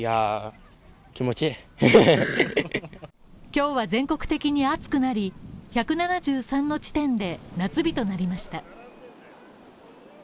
今日は全国的に暑くなり、１７３の地点で夏日となりました。